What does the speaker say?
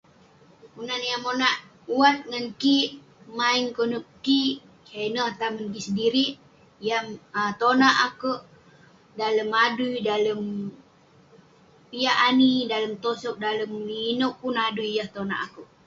Kelunan yah monak wat ngan kik mayeng konep kik keh ineh tamen kik sedirik yah tonak akuek dalem adui dalem piak ani dalem tosok dalem inuek-inuek pun adui yah tonak akuek